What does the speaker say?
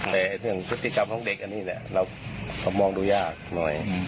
แต่ความเก่งสิทธิกรรมของเด็กต่อแล้วเขามองรู้ยากหน่อย